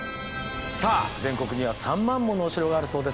さあ全国には３万ものお城があるそうですね。